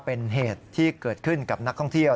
เป็นเหตุที่เกิดขึ้นกับนักท่องเที่ยว